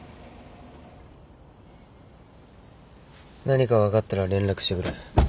何か分かったら連絡してくれ。